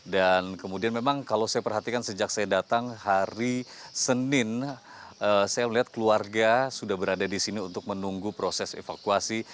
dan kemudian memang kalau saya perhatikan sejak saya datang hari senin saya melihat keluarga sudah berada di sini untuk menunggu proses evakuasi